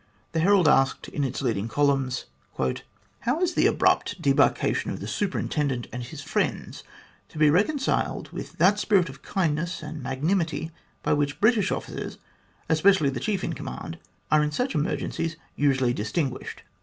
The Herald asked in its leading columns : "How is this abrupt debarkation of the Superintendent and his friends to be reconciled with that spirit of kindness and magnanimity by which British officers, especially the chief in command, are in such emergencies usually distinguished